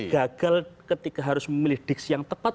gagal ketika harus memilih diksi yang tepat